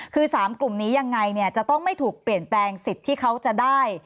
คือ๓กลุ่มนี้ยังไงเนี่ยจะต้องไม่ถูกเปลี่ยนแปลงสิทธิ์ที่เขาจะได้